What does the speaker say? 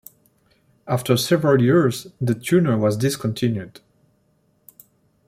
After several years, the tuner was discontinued.